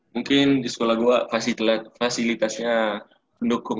mungkin di sekolah gue kasih fasilitasnya pendukung